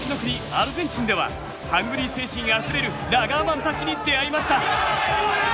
アルゼンチンではハングリー精神あふれるラガーマンたちに出会いました。